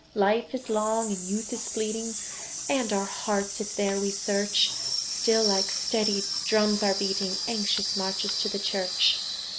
Life is long, and youth is fleeting, And our hearts, if there we search, Still like steady drums are beating Anxious marches to the Church.